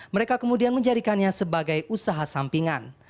mereka kemudian menjadikannya sebagai usaha sampingan